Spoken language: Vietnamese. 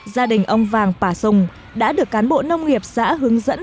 gia đình ông vàng pà sùng đã được cán bộ nông nghiệp xã hướng dẫn